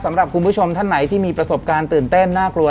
สำหรับคุณผู้ชมท่านไหนที่มีประสบการณ์ตื่นเต้นน่ากลัว